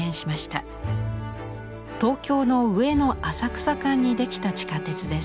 東京の上野浅草間に出来た地下鉄です。